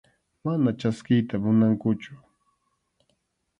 Mana chaskiyta munankuchu.